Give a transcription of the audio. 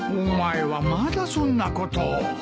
お前はまだそんなことを。